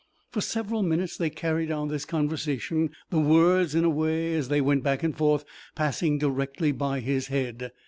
For several minutes they carried on this conversation, the words, in a way, as they went back and forth, passing directly by his head.